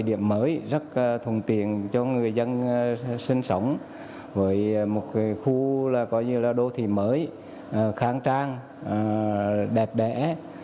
vị điểm mới rất thông tiện cho người dân sinh sống với một khu đô thị mới khang trang đẹp đẽ